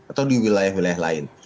atau di wilayah wilayah lain